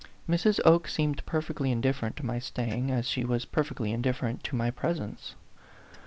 Mrs. Oke seemed perfectly indifferent to my staying, as she was perfectly indifferent to my presence.